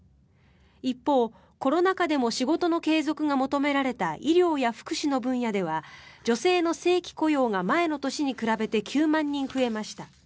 一方、コロナ禍でも仕事の継続が求められた医療や福祉の分野では女性の正規雇用が前の年に比べて９万人増えました。